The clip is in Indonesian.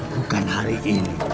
bukan hari ini